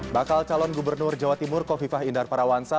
bakal calon gubernur jawa timur kofifah indar parawansa